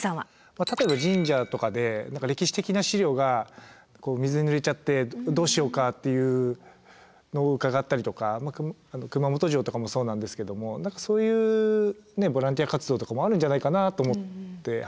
例えば神社とかで歴史的な資料が水にぬれちゃってどうしようかっていうのを伺ったりとか熊本城とかもそうなんですけども何かそういうボランティア活動とかもあるんじゃないかなと思って。